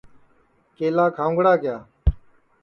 کیلا کھاؤنگڑا کِیا